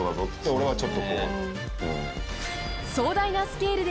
俺はちょっとこう。